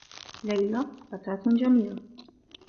ليلى فتاة جميلة.